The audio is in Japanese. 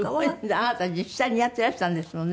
あなた実際にやっていらしたんですもんね。